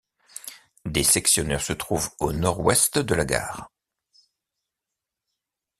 Des sectionneurs se trouvent au nord-ouest de la gare.